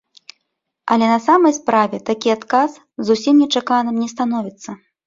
Але на самай справе такі адказ зусім нечаканым не становіцца.